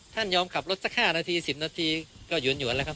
ท่านยอมขับรถสัก๕๑๐นาทีก็หยุดหยวนแล้วครับ